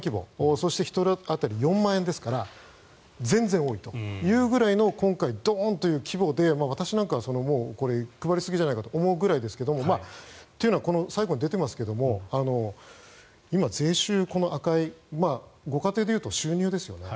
そして１人当たり４万円ですから全然多いというぐらいの今回、ドーンというぐらいで私なんかは配りすぎじゃないかと思うくらいですけどもというのは最後に出ていますが今、税収、この赤いご家庭で言うと収入ですよね。